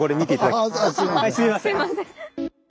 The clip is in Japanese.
あっすいません。